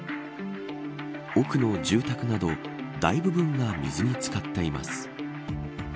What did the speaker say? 奥の住宅など大部分が水に漬かっています。